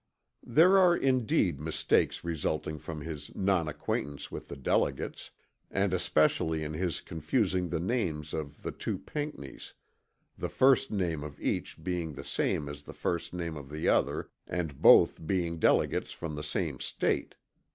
There are indeed mistakes resulting from his non acquaintance with the delegates; and especially in his confusing the names of the two Pinckneys, the first name of each being the same as the first name of the other and both being delegates from the same State.